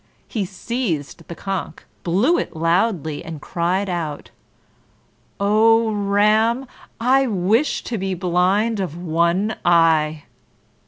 He seized the conch, blew it loudly, and cried out, "Oh, Ram! I wish to be blind of one eye!"